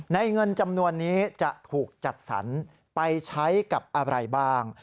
เงินจำนวนนี้จะถูกจัดสรรไปใช้กับอะไรบ้าง